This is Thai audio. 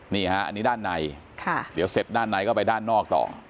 นี่ฮะอันนี้ด้านในเดี๋ยวเสร็จด้านในก็ไปด้านนอกต่อ